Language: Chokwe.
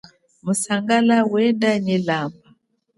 Musangala wenda nyi lamba.